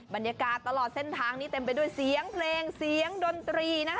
บรรยากาศตลอดเส้นทางนี้เต็มไปด้วยเสียงเพลงเสียงดนตรีนะคะ